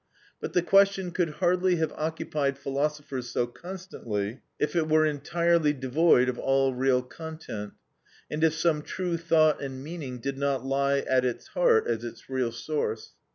But the question could hardly have occupied philosophers so constantly if it were entirely devoid of all real content, and if some true thought and meaning did not lie at its heart as its real source.